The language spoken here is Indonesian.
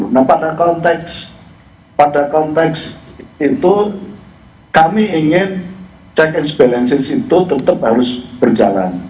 nah pada konteks pada konteks itu kami ingin check and balances itu tetap harus berjalan